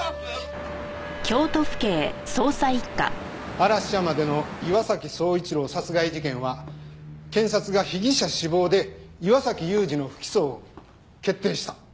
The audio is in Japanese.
嵐山での岩崎宗一郎殺害事件は検察が被疑者死亡で岩崎裕二の不起訴を決定した。